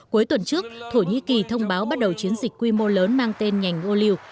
cuối tuần trước thổ nhĩ kỳ thông báo bắt đầu chiến dịch quy mô lớn mang tên nhành oleu